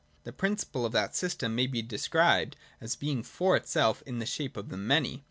The principle of that system may be described as Being for self in the shape of the Many.